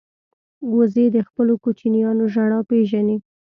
وزې د خپلو کوچنیانو ژړا پېژني